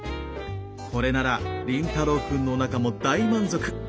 これなら凛太郎くんのおなかも大満足。